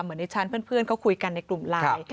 เหมือนดิฉันเพื่อนเขาคุยกันในกลุ่มไลน์